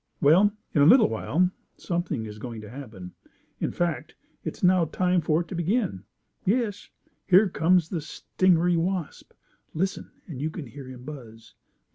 Well, in a little while, something is going to happen. In fact, it's now time for it to begin. Yes, here comes the stingery wasp. Listen, and you can hear him buzz.